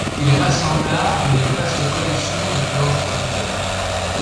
Il rassembla une vaste collection de plantes tropicale.